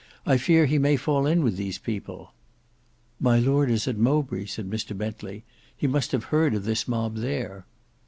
I fear he may fall in with these people." "My lord is at Mowbray," said Mr Bentley. "He must have heard of this mob there."